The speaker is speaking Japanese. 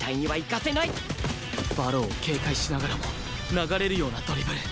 馬狼を警戒しながらも流れるようなドリブル